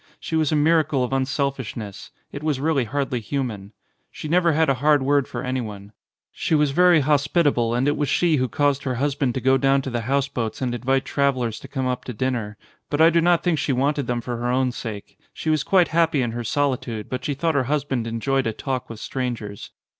She was a miracle of unselfishness. It was really hardly human. She never had a hard word for anyone. She was very hospitable and it was she who caused her husband to go down to the houseboats and invite travellers to come up to dinner. But I do not think she wanted them for her own sake. She was quite happy in her solitude, but she thought her hus band enjoyed a talk with strangers.